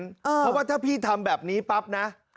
เพราะว่าถ้าพี่ทำแบบนี้ปั๊บนะ